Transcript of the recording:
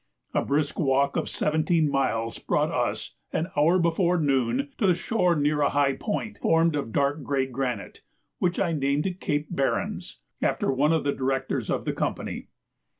A brisk walk of seventeen miles brought us, an hour before noon, to the shore near a high point formed of dark gray granite, which I named Cape Berens, after one of the Directors of the Company.